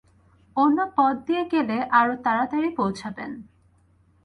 অন্য পথ দিয়ে গেলে আরও তাড়াতাড়ি পৌঁছাবেন।